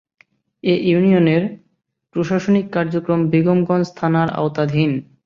এ ইউনিয়নের প্রশাসনিক কার্যক্রম বেগমগঞ্জ থানার আওতাধীন।